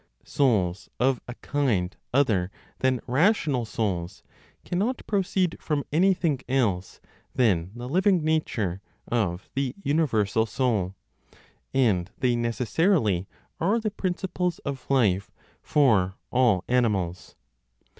Souls of a kind other (than rational souls), cannot proceed from anything else than the living nature (of the universal Soul); and they necessarily are the principles of life for all animals.